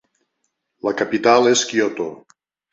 La capital és Kyoto.